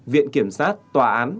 viện kiểm sát tòa án